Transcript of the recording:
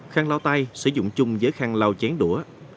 khăn lau tay sử dụng chung với khăn lau chén đũa